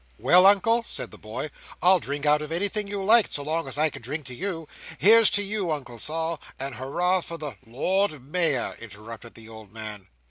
"Well, Uncle," said the boy, "I'll drink out of anything you like, so long as I can drink to you. Here's to you, Uncle Sol, and Hurrah for the—" "Lord Mayor," interrupted the old man.